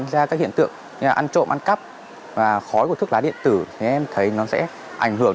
ra các hiện tượng như là ăn trộm ăn cắp và khói của thuốc lá điện tử thì em thấy nó sẽ ảnh hưởng